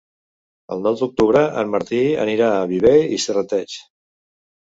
El nou d'octubre en Martí anirà a Viver i Serrateix.